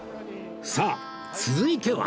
さあ続いては